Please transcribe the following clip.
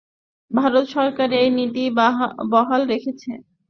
ভারত সরকার এই নীতি বহাল রেখেছে।